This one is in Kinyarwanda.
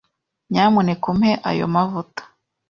Nyamuneka umpe ayo mavuta.